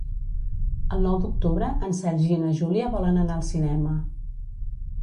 El nou d'octubre en Sergi i na Júlia volen anar al cinema.